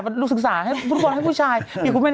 ฉันดาเรกง่ายไปเสร็จกับมัน